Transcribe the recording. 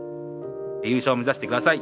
優勝を目指してください。